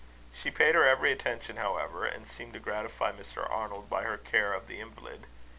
She paid her every attention, however, and seemed to gratify Mr. Arnold by her care of the invalid.